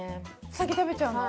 先食べちゃうの？